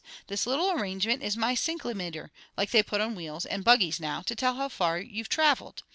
This little arrangemint is my cicly meter, like they put on wheels, and buggies now, to tell how far you've traveled.